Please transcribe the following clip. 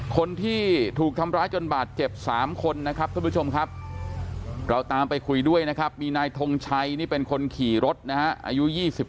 คนที่ถูกทำร้ายจนบาดเจ็บ๓คนนะครับท่านผู้ชมครับเราตามไปคุยด้วยนะครับมีนายทงชัยนี่เป็นคนขี่รถนะฮะอายุ๒๓